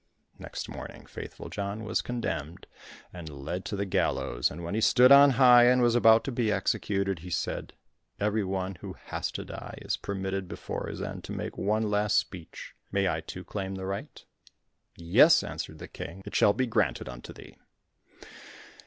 Next morning Faithful John was condemned, and led to the gallows, and when he stood on high, and was about to be executed, he said, "Every one who has to die is permitted before his end to make one last speech; may I too claim the right?" "Yes," answered the King, "it shall be granted unto thee."